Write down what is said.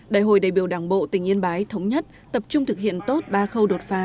đại hội đại biểu đảng bộ tỉnh yên bái thống nhất tập trung thực hiện tốt ba khâu đột phá